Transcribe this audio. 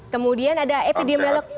kemudian ada epidemiolog